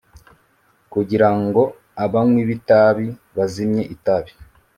kugira ngo abanywi b’itabi bazimye itabi